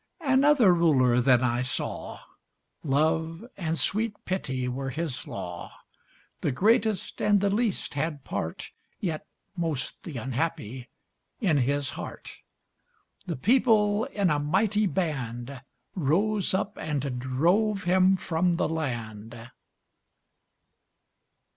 Another Ruler then I saw Love and sweet Pity were his law: The greatest and the least had part (Yet most the unhappy) in his heart The People, in a mighty band, Rose up, and drove him from the land!